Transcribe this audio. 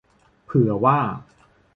เผื่อว่า